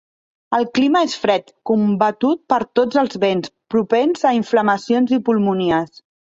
El clima és fred, combatut per tots els vents, propens a inflamacions i pulmonies.